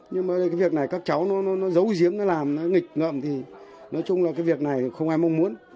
nhưng mà cái việc này các cháu nó giấu giếng nó làm nó nghịch ngậm thì nói chung là cái việc này không ai mong muốn